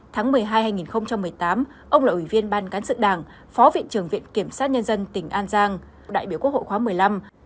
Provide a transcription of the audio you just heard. tháng một mươi hai hai nghìn một mươi tám ông là ủy viên ban cán sự đảng phó viện trưởng viện kiểm sát nhân dân tỉnh an giang đại biểu quốc hội khóa một mươi năm